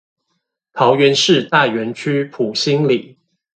桃園市大園區埔心里